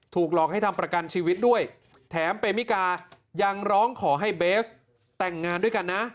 หลอกให้ทำประกันชีวิตด้วยแถมเปมิกายังร้องขอให้เบสแต่งงานด้วยกันนะ